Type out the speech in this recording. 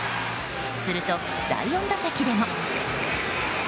すると第４打席でも。